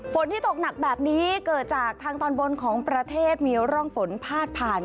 ฝนที่ตกหนักแบบนี้เกิดจากทางตอนบนของประเทศมีร่องฝนพาดผ่าน